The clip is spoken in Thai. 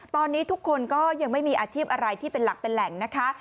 ตอนนี้ทุกคนก็ยังไม่มีอาชีพอะไรที่เป็นหลักเป็นแหล่งนะคะ